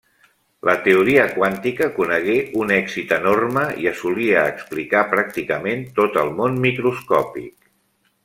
La teoria quàntica conegué un èxit enorme i assolia explicar pràcticament tot el món microscòpic.